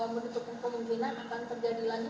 menutup kemungkinan akan terjadi lagi